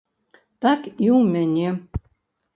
Так і ў мяне.